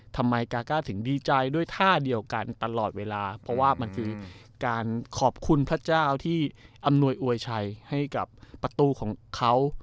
ทำไมกาก้าถึงดีใจด้วยท่าเดียวกันตลอดเวลาเพราะว่ามันคือการขอบคุณพระเจ้าที่อำนวยอวยชัยให้กับประตูของเขา